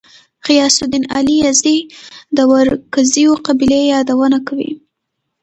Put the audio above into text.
غیاث الدین علي یزدي د ورکزیو قبیلې یادونه کوي.